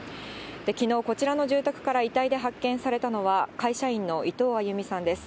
きのう、こちらの住宅から遺体で発見されたのは、会社員の伊藤亜佑美さんです。